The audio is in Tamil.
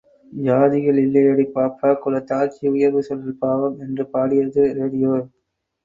ஜாதிகள் இல்லையடி பாப்பா – குலத் தாழ்ச்சி உயர்வு சொல்லல் பாவம்! என்று பாடியது ரேடியோ.